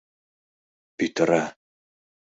— Пӱтыра...